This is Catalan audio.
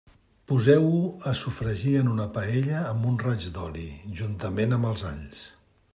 Poseu-ho a sofregir en una paella amb un raig d'oli, juntament amb els alls.